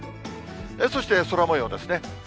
そして空もようですね。